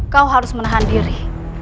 kau harus menahan diri